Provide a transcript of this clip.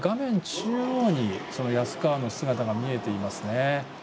中央に安川の姿が見えていました。